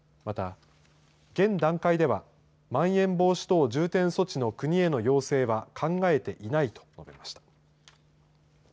また現段階ではまん延防止等重点措置の国への要請は考えていないと述べました。